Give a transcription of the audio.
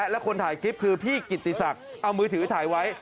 และคนถ่ายคลิปคือพี่กิติศักดิ์เอามือถือถ่ายไว้